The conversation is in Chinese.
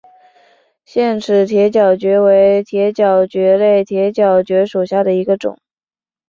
腺齿铁角蕨为铁角蕨科铁角蕨属下的一个种。